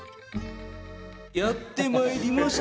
やってまいりました！